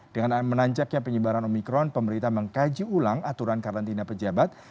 dengan menanjaknya penyebaran omikron pemerintah mengkaji ulang aturan karantina pejabat